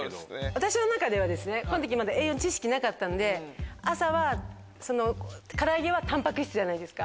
私の中ではこの時まだ栄養の知識なかったんで朝はからあげはタンパク質じゃないですか。